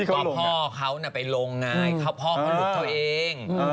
ก็พ่อเขาน่ะไปลงไงเขาพ่อเขาลุกเขาเอง